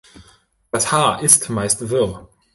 Das Haar ist meist wirr.